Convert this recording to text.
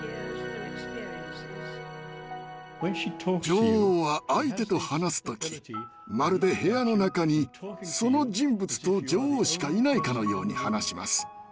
女王は相手と話す時まるで部屋の中にその人物と女王しかいないかのように話します。